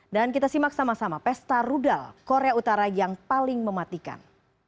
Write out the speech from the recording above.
dan kita simak sama sama pesta rudal korea utara yang paling mematikan